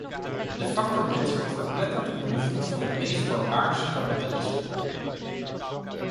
De factor mens wordt verpletterd onder de voet van het meest barbaarse kapitalisme.